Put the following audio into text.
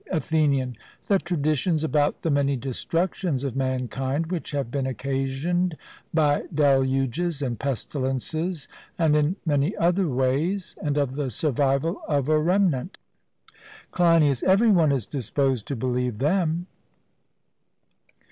ATHENIAN: The traditions about the many destructions of mankind which have been occasioned by deluges and pestilences, and in many other ways, and of the survival of a remnant? CLEINIAS: Every one is disposed to believe them.